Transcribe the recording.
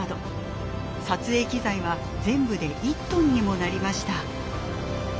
撮影機材は全部で１トンにもなりました。